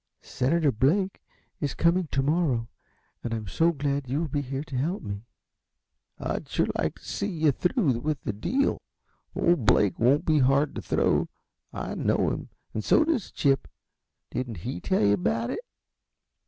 Senator Blake is coming to morrow, and I'm so glad you will be here to help me." "I'd sure like to see yuh through with the deal. Old Blake won't be hard to throw I know him, and so does Chip. Didn't he tell yuh about it?"